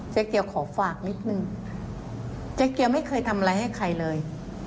เจ๊เกียวขอฝากนิดนึงเจ๊เกียวไม่เคยทำอะไรให้ใครเลย